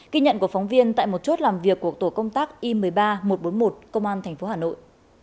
ghi nhận của phóng viên tại một chốt làm việc của tổ công tác y một mươi ba một trăm bốn mươi một công an tp hà nội